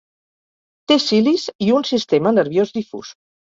Té cilis i un sistema nerviós difús.